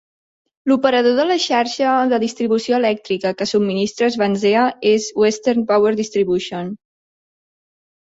L'operador de la xarxa de distribució elèctrica que subministra Swansea és Western Power Distribution.